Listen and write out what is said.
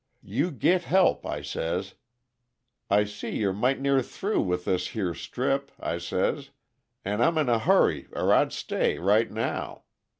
'You git help,' I says. 'I see you're might' near through with this here strip,' I says, 'an' I'm in a hurry, or I'd stay, right now.'